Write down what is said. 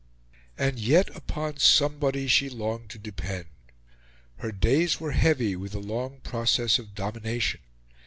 And yet upon somebody she longed to depend. Her days were heavy with the long process of domination.